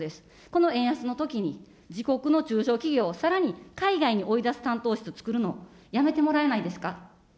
この円安のときに、自国の中小企業、さらに海外に追い出す担当室つくるの、やめてもらえないですか。